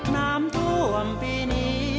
น้ำท่วมปีนี้